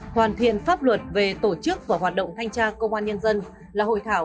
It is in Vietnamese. hoàn thiện pháp luật về tổ chức và hoạt động thanh tra công an nhân dân là hội thảo